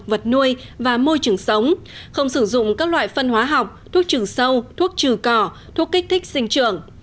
vật nuôi và môi trường sống không sử dụng các loại phân hóa học thuốc trừ sâu thuốc trừ cỏ thuốc kích thích sinh trường